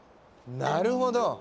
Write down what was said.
なるほど！